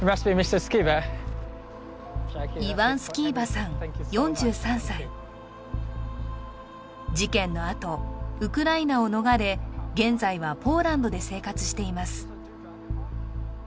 ＹｏｕｍｕｓｔｂｅＭｒ．スキーバ事件のあとウクライナを逃れ現在はポーランドで生活しています